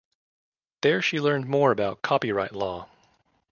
There she learned more about copyright law.